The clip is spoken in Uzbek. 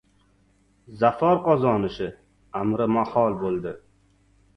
Zafar qozonishi amri mahol bo‘ldi.